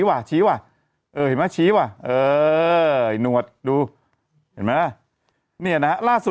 ไม่ใช่นะ